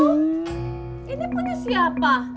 ini punya siapa